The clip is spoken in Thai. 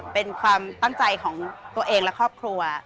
เป็นความตั้งใจของตัวเองและครอบครัว